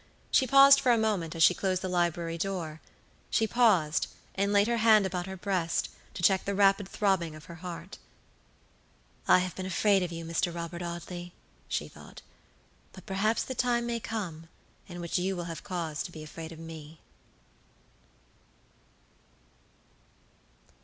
She paused for a moment as she closed the library doorshe paused, and laid her hand upon her breast to check the rapid throbbing of her heart. "I have been afraid of you, Mr. Robert Audley," she thought; "but perhaps the time may come in which you will have cause to be afraid of me."